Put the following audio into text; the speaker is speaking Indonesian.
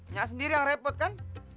nya sendiri yang repot kan